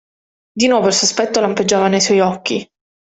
Di nuovo il sospetto lampeggiava nei suoi occhi.